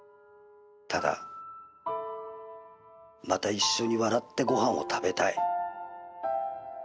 「ただまた一緒に笑ってご飯を食べたい」